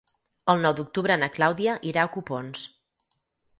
El nou d'octubre na Clàudia irà a Copons.